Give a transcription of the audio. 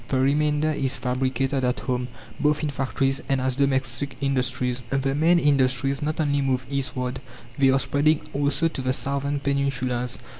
The remainder is fabricated at home, both in factories and as domestic industries. The main industries not only move eastward, they are spreading also to the southern peninsulas.